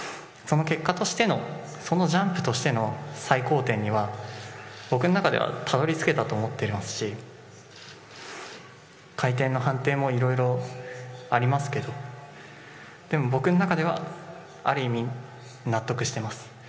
その結果としてのそのジャンプとしての最高点には僕の中ではたどり着けたと思っていますし回転の判定もいろいろありますけどでも、僕の中ではある意味、納得しています。